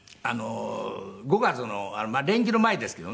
５月の連休の前ですけどね